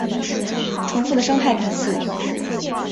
重复的伤害彼此